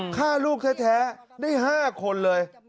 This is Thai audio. ฆ่าลูกแท้ได้๕คนเลย